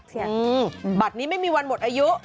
บัตรนี้ไม่มีวันหมดอายุ